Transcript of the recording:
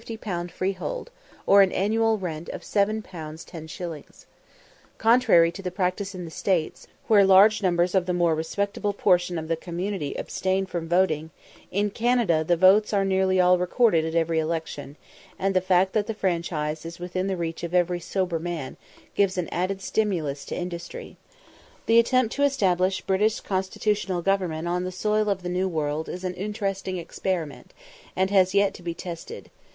_ freehold, or an annual rent of 7_l._ 10_s._ Contrary to the practice in the States, where large numbers of the more respectable portion of the community abstain from voting, in Canada the votes are nearly all recorded at every election, and the fact that the franchise is within the reach of every sober man gives an added stimulus to industry. The attempt to establish British constitutional government on the soil of the New World is an interesting experiment, and has yet to be tested.